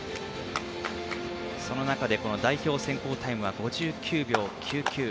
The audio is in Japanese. その中で代表選考タイムは５９秒９９。